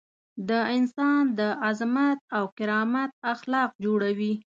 د انسان د عظمت او کرامت اخلاق جوړوي.